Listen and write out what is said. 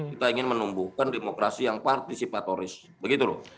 kita ingin menumbuhkan demokrasi yang partisipatoris begitu loh